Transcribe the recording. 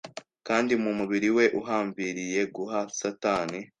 Kandi mumubiri we uhambiriye guha satani